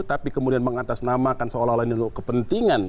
tapi kemudian mengatasnamakan seolah olah kepentingan